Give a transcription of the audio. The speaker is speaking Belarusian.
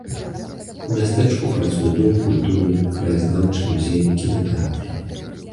У мястэчку працуе дом культуры, краязнаўчы музей, кінатэатр.